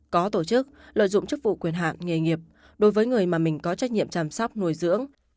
có tổ chức lợi dụng chức vụ quyền hạn nghề nghiệp đối với người mà mình có trách nhiệm chăm sóc nuôi dưỡng